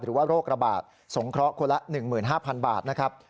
โรคระบาดสงเคราะห์คนละ๑๕๐๐๐บาทนะครับ